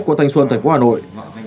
của thanh xuân tp hà nội